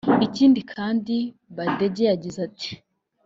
Ikindi kandi Badege yagize ati